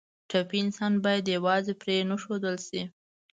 ټپي انسان باید یوازې پرېنښودل شي.